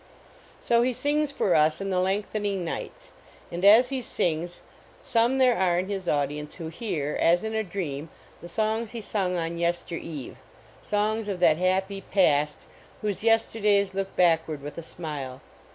So he sings for us in the lengthening nights. And as he sings, some there are in his audi ence who hear, as in a dream, the songs lie sung on yester eve ; songs of that happy I .i t , "whose yesterdays look backward with a smile."